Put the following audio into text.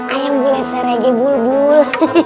ayang boleh serege bul bul